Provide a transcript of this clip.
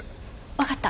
わかった。